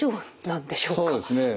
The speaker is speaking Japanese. そうですね